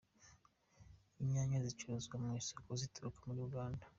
Inyanya zicuruzwa mu isoko zituruka muri Uganda